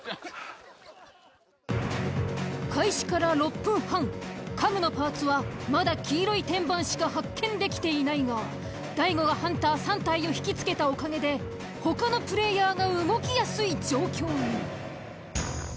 開始から６分半家具のパーツはまだ黄色い天板しか発見できていないが大悟がハンター３体を引き付けたおかげで他のプレイヤーが動きやすい状況に。